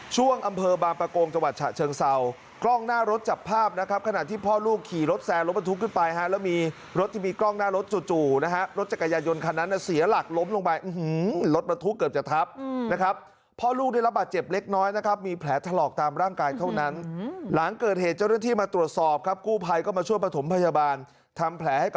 แสงป๊า๊ดแสงรถหกล้อไปได้ล้ม